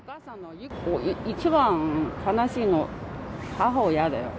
一番悲しいの、母親だよ。